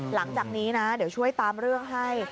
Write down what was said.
หลังจากนี้เราช่วยตามเรื่องให้